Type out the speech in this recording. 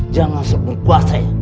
jangan selalu mengkuasai